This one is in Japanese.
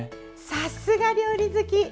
さすが料理好き！